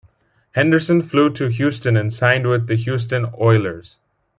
Henderson flew to Houston and signed with the Houston Oilers.